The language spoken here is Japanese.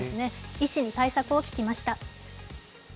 医師に対策を聞きました。